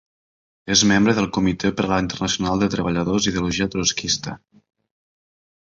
És membre del Comitè per a la Internacional de Treballadors, d'ideologia trotskista.